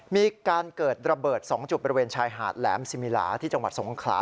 มีการเกิดระเบิด๒จุดบริเวณชายหาดแหลมสิมิลาที่จังหวัดสงขลา